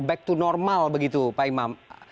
back to normal begitu pak imam